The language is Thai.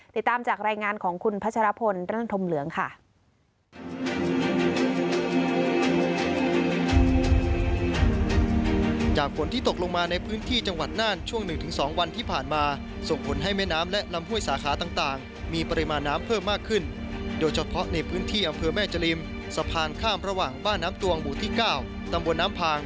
ติดตามจากรายงานของคุณพัชรพลเรื่องธมเหลืองค่ะ